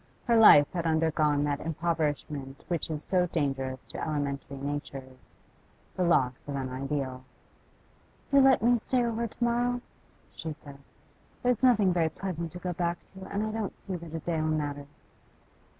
Her life had undergone that impoverishment which is so dangerous to elementary natures, the loss of an ideal. 'You'll let me stay over to morrow?' she said. 'There's nothing very pleasant to go back to, and I don't see that a day 'll matter.